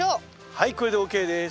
はいこれでＯＫです。